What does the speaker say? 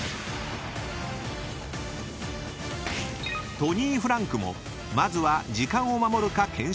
［トニーフランクもまずは時間を守るか検証］